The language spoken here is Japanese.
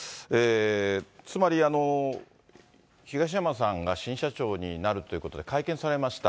つまり東山さんが新社長になるということで、会見されました。